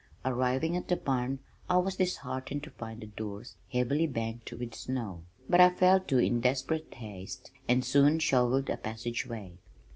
Arriving at the barn I was disheartened to find the doors heavily banked with snow, but I fell to in desperate haste, and soon shoveled a passageway.